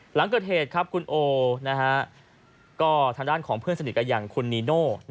หลังเกิดเหตุครับคุณโอก็ทางด้านของเพื่อนสนิทกันอย่างคุณนีโน่